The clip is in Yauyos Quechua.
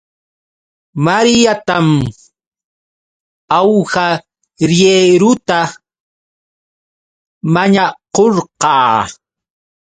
Mariatam awhariieruta mañakurqaa